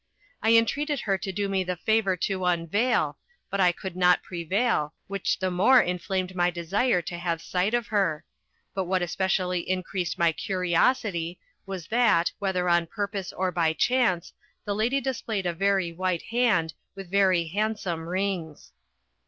I entreated her to do me the favour to unveil, but I could not prevail, which the more inflamed my desire to have sight of her; but what especially increased my curiosity was that, whether on purpose, or by chance, the lady displayed a very white hand, with very handsome rings.